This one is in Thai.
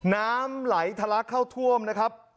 น้ำไหลทะลักเข้าท่วมนะครับ